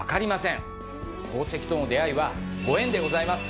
宝石との出会いはご縁でございます。